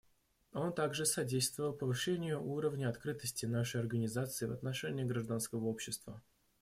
Он также содействовал повышению уровня открытости нашей Организации в отношении гражданского общества.